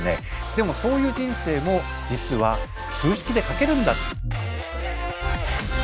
でもそういう人生も実は数式で書けるんだ。